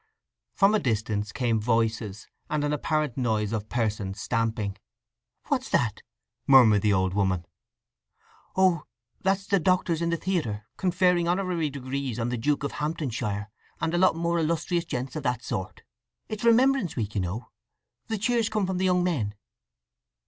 From a distance came voices; and an apparent noise of persons stamping. "What's that?" murmured the old woman. "Oh, that's the Doctors in the theatre, conferring Honorary degrees on the Duke of Hamptonshire and a lot more illustrious gents of that sort. It's Remembrance Week, you know. The cheers come from the young men."